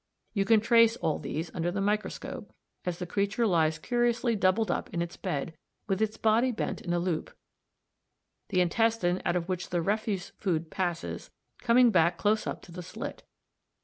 You can trace all these under the microscope (see 2, Fig. 73) as the creature lies curiously doubled up in its bed, with its body bent in a loop; the intestine i, out of which the refuse food passes, coming back close up to the slit.